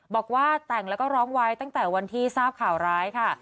บอกว่าแต่งแล้วก็ร้องไว้ตั้งแต่วันที่ทราบข่าวร้ายค่ะ